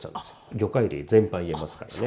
魚介類全般言えますからね。